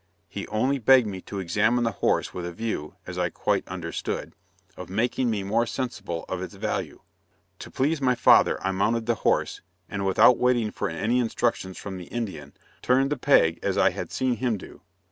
He only begged me to examine the horse with a view (as I quite understood) of making me more sensible of its value." "To please my father, I mounted the horse, and, without waiting for any instructions from the Indian, turned the peg as I had seen him do.